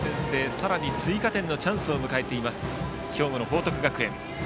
さらに追加点のチャンスを迎える兵庫の報徳学園。